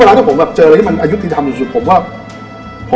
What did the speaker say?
เวลาที่ผมเจออะไรที่มันอายุทธิธรรมสุดผมก็